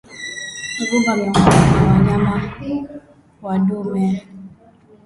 Ugumba miongoni mwa wanyama wa dume